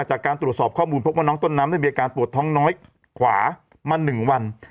จากการตรวจสอบข้อมูลพบว่าน้องต้นน้ำได้มีอาการปวดท้องน้อยขวามา๑วัน